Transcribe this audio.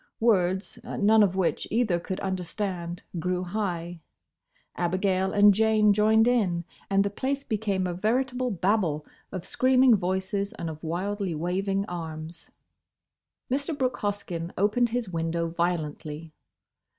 Words, none of which either could understand, grew high; Abigail and Jane joined in, and the place became a veritable Babel of screaming voices and of wildly waving arms. Mr. Brooke Hoskyn opened his window violently.